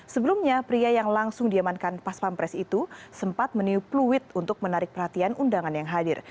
sebelumnya pria yang langsung diamankan pas pampres itu sempat meniup fluid untuk menarik perhatian undangan yang hadir